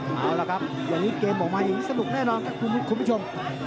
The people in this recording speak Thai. เอาล่ะครับอย่างนี้เกมออกมาอย่างนี้สนุกแน่นอนครับคุณผู้ชม